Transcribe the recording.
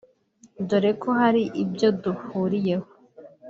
dore ko hari ibyo duhuriyeho